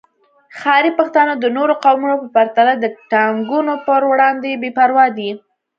ښاري پښتانه د نورو قومونو په پرتله د ټاکنو پر وړاندې بې پروا دي